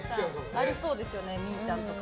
ありそうですよねみーちゃんとか。